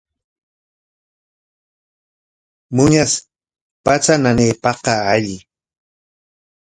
Muñash patra nanaypaqqa alli.